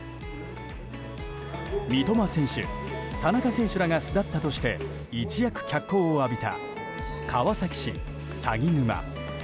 三笘選手、田中選手らが巣立ったとして一躍脚光を浴びた川崎市鷺沼。